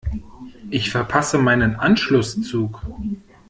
Ich verpasse meinen Anschlusszug.